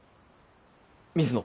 水野。